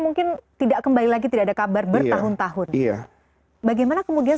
mungkin tidak kembali lagi tidak ada kabar bertahun tahun ya bagaimana kemudian